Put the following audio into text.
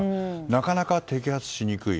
なかなか摘発しにくい。